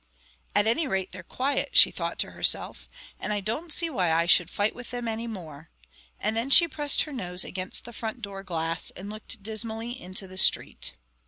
"At any rate they're quiet," she thought to herself, "and I don't see why I should fight with them any more," and then she pressed her nose against the front door glass and looked dismally into the street.